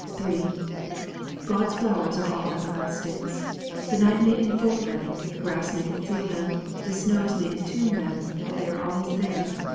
III God's flowers are all everlastings. The night may enfold them; the grass may conceal them; the snows may entomb them; but they are always there.